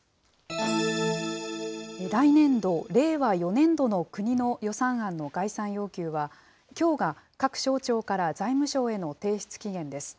来年度・令和４年度の国の予算案の概算要求は、きょうが各省庁から財務省への提出期限です。